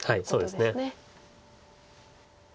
そうですね。